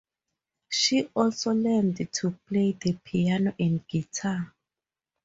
She also learned to play the piano and guitar.